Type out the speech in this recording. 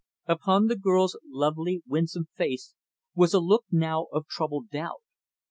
Upon the girl's lovely, winsome face, was a look, now, of troubled doubt.